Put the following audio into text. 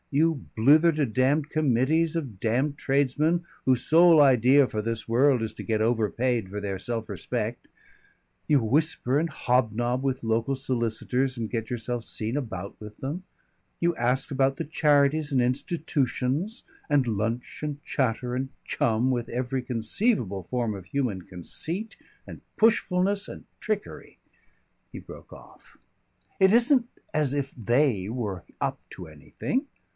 You blither to damned committees of damned tradesmen whose sole idea for this world is to get overpaid for their self respect; you whisper and hobnob with local solicitors and get yourself seen about with them; you ask about the charities and institutions, and lunch and chatter and chum with every conceivable form of human conceit and pushfulness and trickery " He broke off. "It isn't as if they were up to anything!